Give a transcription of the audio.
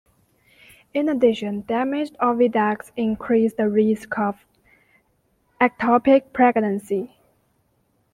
In addition, damaged oviducts increase the risk of ectopic pregnancy.